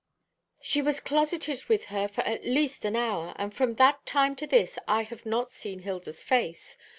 "She was closeted with her for at least an hour, and from that time to this I have not seen Hilda's face.